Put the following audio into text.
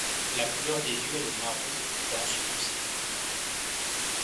La couleur des yeux est le marron, de préférence foncé.